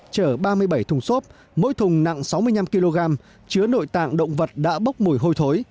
chở ba mươi bảy thùng xốp mỗi thùng nặng sáu mươi năm kg chứa nội tạng động vật đã bốc mùi hôi thối